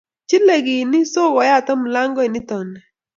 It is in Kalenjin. Chile kit ni so koyatak mlagut nito ni